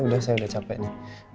udah saya udah capek nih